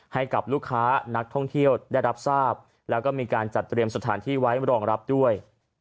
ให้กับลูกค้านักท่องเที่ยวได้รับทราบแล้วก็มีการจัดเตรียมสถานที่ไว้รองรับด้วย